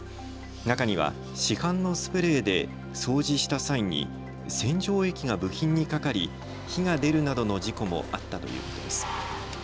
中には市販のスプレーで掃除した際に洗浄液が部品にかかり火が出るなどの事故もあったということです。